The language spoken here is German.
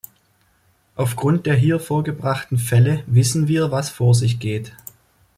Auf Grund der hier vorgebrachten Fälle wissen wir, was vor sich geht.